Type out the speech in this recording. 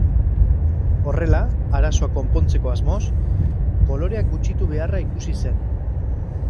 Horrela, arazoa konpontzeko asmoz, koloreak gutxitu beharra ikusi zen.